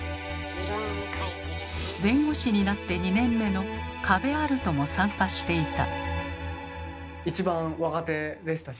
弁護士になって２年目の加部歩人も参加していた。